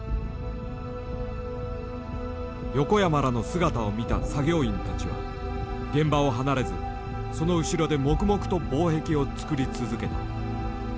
横山らの姿を見た作業員たちは現場を離れずその後ろで黙々と防壁を作り続けた。